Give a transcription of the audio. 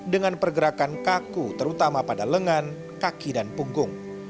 dengan pergerakan kaku terutama pada lengan kaki dan punggung